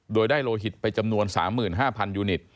โดยได้โลหิตไปจำนวนสามหมื่นห้าพันยูนิต